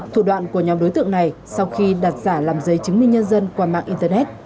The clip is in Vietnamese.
thủ đoạn của nhóm đối tượng này sau khi đặt giả làm giấy chứng minh nhân dân qua mạng internet